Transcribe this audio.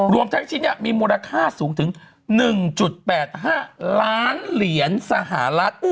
รวมทั้งชิ้นนี้มีมูลค่าสูงถึง๑๘๕ล้านเหรียญสหรัฐ